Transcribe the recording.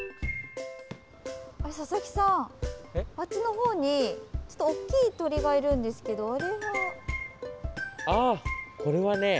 佐々木さん、あっちのほうに大きい鳥がいるんですけどこれはね